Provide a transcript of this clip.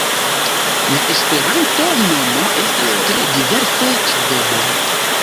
La esperanta nomo estas tre diverse trovebla.